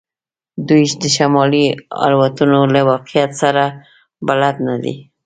دوی د شمالي الوتنو له واقعیتونو سره بلد نه دي